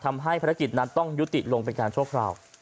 ทำให้ภารกิจนั้นต้องยุติลงเป็นการชั่วคราว